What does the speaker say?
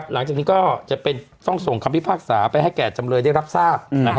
หลังจากนี้ก็จะต้องส่งคำพิพากษาไปให้แก่จำเลยได้รับทราบ